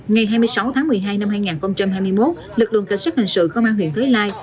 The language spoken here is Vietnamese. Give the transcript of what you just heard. ngày hai mươi sáu tháng một mươi hai năm hai nghìn hai mươi một lực lượng cảnh sát hình sự công an huyện thới lai